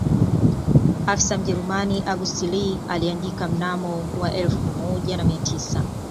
Afisa Mjerumani August Leue aliandika mnamo wa elfu moja na mia tisa